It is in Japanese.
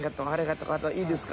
いいですか？